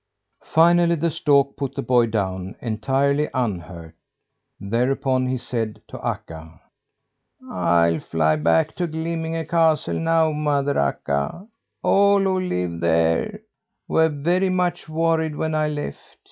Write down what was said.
Finally the stork put the boy down entirely unhurt. Thereupon he said to Akka, "I'll fly back to Glimminge castle now, mother Akka. All who live there were very much worried when I left.